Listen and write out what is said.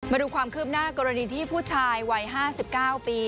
มาดูความคืบหน้ากรณีที่ผู้ชายวัย๕๙ปี